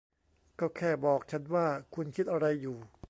ก็แค่บอกฉันว่าคุณคิดอะไรอยู่